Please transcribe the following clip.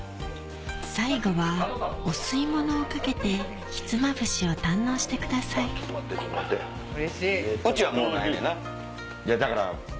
最後はお吸い物をかけてひつまぶしを堪能してくださいうちはもうないねんな？